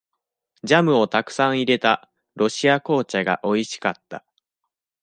ジャムをたくさん入れた、ロシア紅茶がおいしかった。